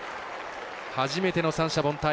初めての三者凡退。